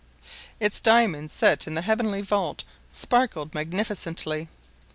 Its diamonds set in the heavenly vault sparkled magnificently.